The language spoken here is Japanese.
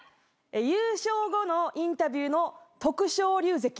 優勝後のインタビューの勝龍関。